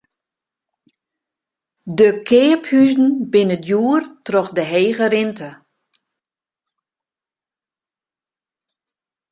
De keaphuzen binne djoer troch de hege rinte.